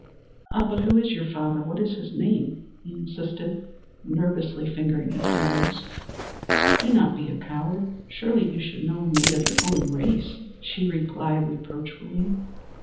"Ah, but who is your father? What is his name?" he insisted, nervously fingering his arrows. "Do not be a coward! Surely you should know a maid of your own race," she replied reproachfully.